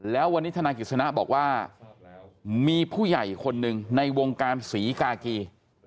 แล้ววันนี้ธนายกิจสนะบอกว่ามีผู้ใหญ่คนหนึ่งในวงการศรีกากี